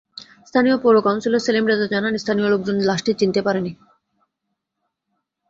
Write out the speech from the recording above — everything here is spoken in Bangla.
স্থানীয় পৌর কাউন্সিলর সেলিম রেজা জানান, স্থানীয় লোকজন লাশটি চিনতে পারেনি।